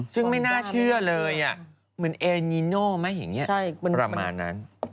ซึ่งไม่น่าเชื่อเลยเหมือนเอนิโน่ไหมอย่างนี้ประมาณนั้น